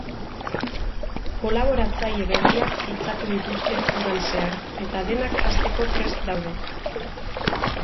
Kolaboratzaile berriak fitxatu dituzte udan zehar eta denak hasteko prest daude.